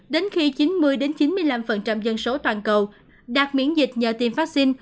đến khi chín mươi chín mươi năm dân số toàn cầu đạt miễn dịch nhờ tiêm vaccine